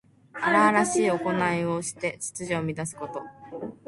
荒々しいおこないをして秩序を乱すこと。